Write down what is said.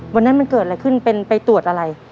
วันนั้นมันเกิดอะไรขึ้นเป็นไปตรวจอะไร